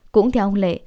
cũng theo ông lệ